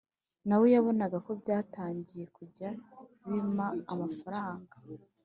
na we yabonaga ko byatangiye kujya bima amafaranga